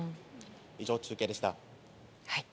以上、中継でした。